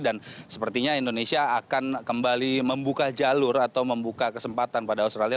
dan sepertinya indonesia akan kembali membuka jalur atau membuka kesempatan pada australia